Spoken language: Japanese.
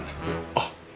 あっ。